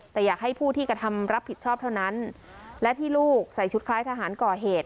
แต่อยากให้ผู้ที่กระทำรับผิดชอบเท่านั้นและที่ลูกใส่ชุดคล้ายทหารก่อเหตุ